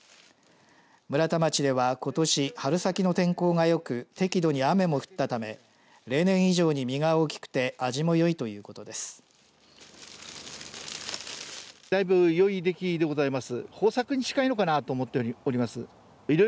村田町では、ことし春先の天候がよく適度に雨も降ったため例年以上に実が大きくて味もよいということです。